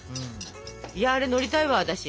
いやあれ乗りたいわ私。